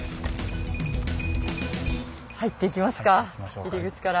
入っていきますか入り口から。